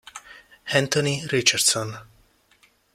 Anthony Richardson